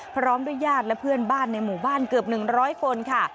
พร้อมด้วยญาติและเพื่อนบ้านในหมู่บ้านเกือบ๑๐๐คนค่ะ